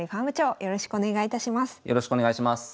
よろしくお願いします。